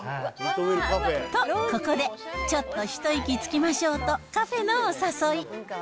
と、ここでちょっと一息つきましょうと、カフェのお誘い。